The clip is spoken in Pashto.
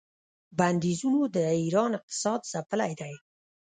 بندیزونو د ایران اقتصاد ځپلی دی.